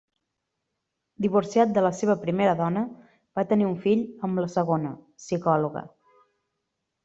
Divorciat de la seva primera dona, va tenir un fill amb la segona, psicòloga.